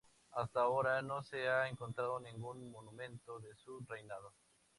Hasta ahora no se ha encontrado ningún monumento de su reinado.